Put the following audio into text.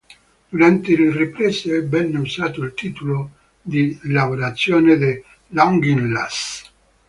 Durante le riprese, venne usato il titolo di lavorazione "The Laughing Lass".